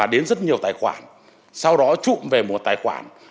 đến rất nhiều tài khoản sau đó trụm về một tài khoản